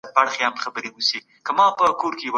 باران ځمکه تازه کوي.